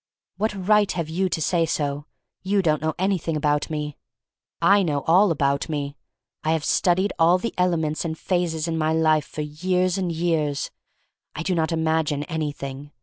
What right have you to say so? You don't know anything about me. I know all about me. I have studied all the elements and phases in my life for years and years. I do not imagine anything.